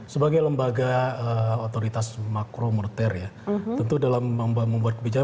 sebagai lembaga otoritas makro moneter ya tentu dalam membuat kebijakan